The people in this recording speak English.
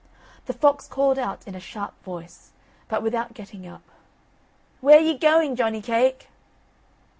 The fox called out in a sharp voice, but without getting up: "Where ye going Johnny cake?"